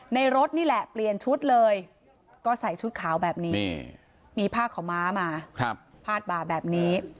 รถนี่แหละเปลี่ยนชุดเลยก็ใส่ชุดขาวแบบนี้มีผ้าขาวม้ามาพาดบ่าแบบนี้